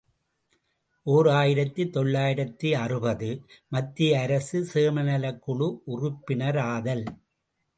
ஓர் ஆயிரத்து தொள்ளாயிரத்து அறுபது ● மத்திய அரசு சேமநலக் குழு உறுப்பினராதல்.